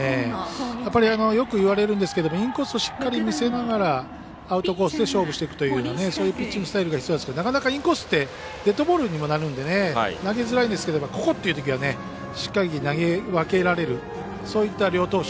やっぱりよく言われるんですけどインコースをしっかり見せながらアウトコースで勝負していくというようなそういうピッチングスタイルがいいと思いますがインコースってデッドボールにもなるんで投げづらいんですけどここっていうときはしっかり投げ分けられるそういった両投手。